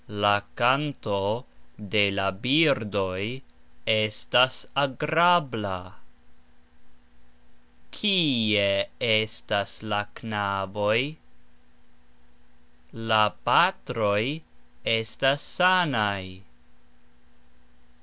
La kanto de la birdoj estas agrabla. Kie estas la knaboj? La patroj estas sanaj.